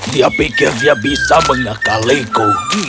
dia pikir dia bisa mengakaliku